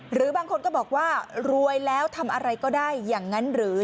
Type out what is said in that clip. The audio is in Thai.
หรือบางคนก็บอกว่ารวยแล้วทำอะไรก็ได้อย่างนั้นหรือ